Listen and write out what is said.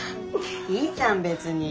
いいじゃん別に。